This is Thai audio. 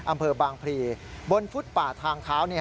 อำเภอบางพรีบนฟุตป่าทางเท้า